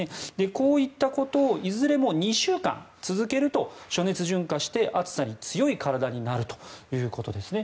こういったことをいずれも２週間続けると暑熱順化して暑さに強い体になるということですね。